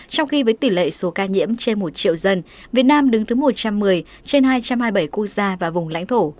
trong khi với tỷ lệ số ca nhiễm trên một triệu dân việt nam đứng thứ một trăm một mươi trên hai trăm hai mươi bảy quốc gia và vùng lãnh thổ